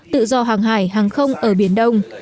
tự do hàng hải hàng không ở biển đông